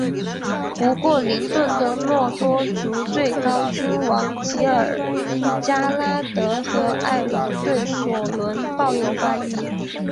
不过林顿的诺多族最高君王吉尔加拉德和爱隆对索伦抱有怀疑。